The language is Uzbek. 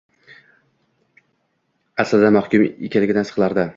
Aslida mahkum ekanidan siqilardi.